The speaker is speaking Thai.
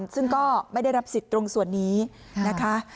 ซึ่งก็ไม่ได้รับสิทธิ์ตรงส่วนนี้นะคะ